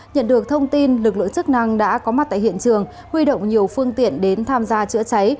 nhận được thông tin lực lượng chức năng đã có mặt tại hiện trường huy động nhiều phương tiện đến tham gia chữa cháy